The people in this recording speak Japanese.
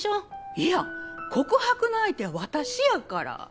いや告白の相手は私やから。